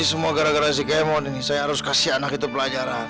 ini semua gara gara si kemo nini saya harus kasih anak itu pelajaran